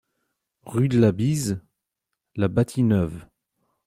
Rue de la Bise, La Bâtie-Neuve